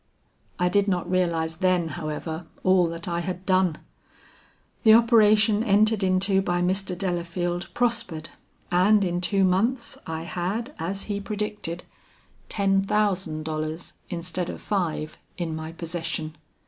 "I did not realize then, however, all that I had done. The operation entered into by Mr. Delafield prospered, and in two months I had, as he predicted, ten thousand dollars instead of five, in my possession.